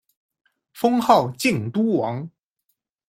封号靖都王。